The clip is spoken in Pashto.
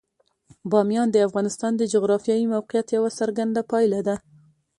بامیان د افغانستان د جغرافیایي موقیعت یوه څرګنده پایله ده.